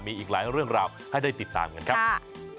มีอีกหลายเรื่องราวให้ได้ติดตามกันครับ